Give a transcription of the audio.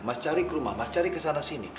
mas cari ke rumah mas cari kesana sini